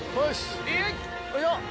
よいしょ！